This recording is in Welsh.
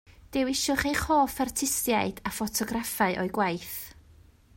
Dewiswch eich hoff artistiaid a ffotograffau o'u gwaith